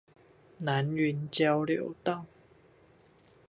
南雲交流道